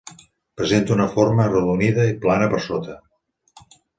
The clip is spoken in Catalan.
Presenta una forma arrodonida, i plana per sota.